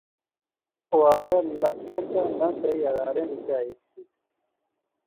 او آپے لکھیں چا نہ سہی ہزاریں وچا ہیک سی